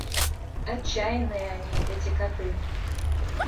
Отчаянные они, эти коты!